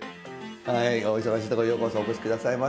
お忙しいところようこそお越し下さいました。